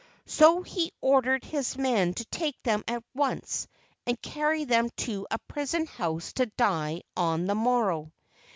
So he ordered his men to take them at once and carry them to a prison house to die on the morrow.